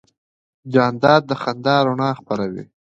جانداد د خندا رڼا خپروي.